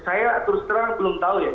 saya terus terang belum tahu ya